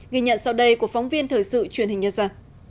ghi nhận sau đây của phóng viên thời sự truyền hình nhất ra